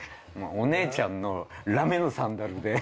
お姉ちゃんのラメのサンダルで。